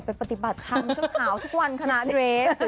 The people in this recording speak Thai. บัตรทำเชิงขาวทุกวันค่ะนะเดรส